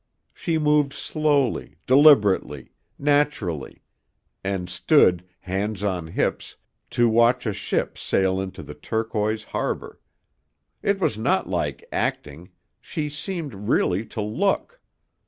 She moved slowly, deliberately, naturally, and stood, hands on hips, to watch a ship sail into the turquoise harbor. It was not like acting, she seemed really to look.